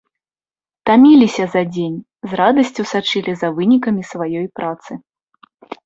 Таміліся за дзень, з радасцю сачылі за вынікамі сваёй працы.